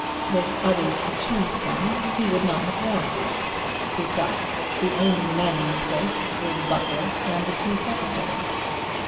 With others to choose from he would not have worn these. Besides, the only men in the place were the butler and the two secretaries.